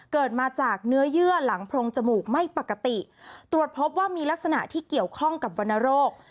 เกิดมาจากเนื้อเยื่อหลังโพรงจมูกไม่ปกติตรวจพบว่ามีลักษณะที่เกี่ยวข้องกับวรรณโรค